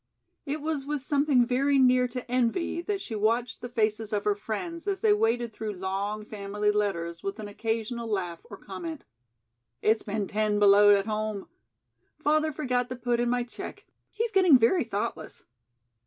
It was with something very near to envy that she watched the faces of her friends as they waded through long family letters with an occasional laugh or comment: "It's been ten below at home." "Father forgot to put in my check. He's getting very thoughtless."